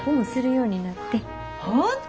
本当！